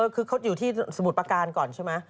คือเขาอยู่ที่สมุทรประการก่อนใช่ไหม